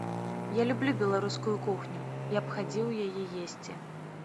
Я люблю беларускую кухню, я б хадзіў яе есці.